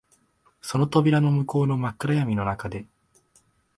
その扉の向こうの真っ暗闇の中で、